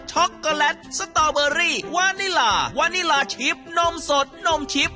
็อกโกแลตสตอเบอรี่วานิลาวานิลาชิปนมสดนมชิป